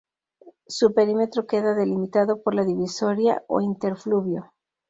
Su perímetro queda delimitado por la divisoria o interfluvio.